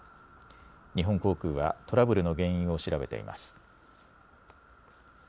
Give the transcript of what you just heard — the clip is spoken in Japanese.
日本航空はトラブルの原因を調べています。